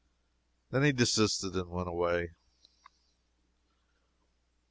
Then he desisted and went away.